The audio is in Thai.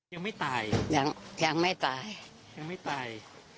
ยังไม่ตายยังไม่ตายยังไม่ตาย